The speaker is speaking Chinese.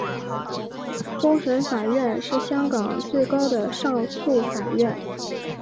终审法院是香港最高的上诉法院。